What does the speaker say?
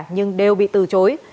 nhưng đều bị từ chối